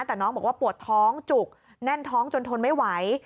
แต่น้องบอกว่าปวดท้องจุกแน่นท้องจนทนไม่ไหว